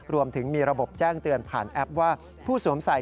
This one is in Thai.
รวมถึงมีระบบแจ้งเตือนผ่านแอปว่าผู้สวมใส่